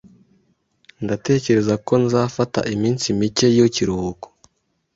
Ndatekereza ko nzafata iminsi mike y'ikiruhuko.